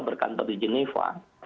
berkantor di geneva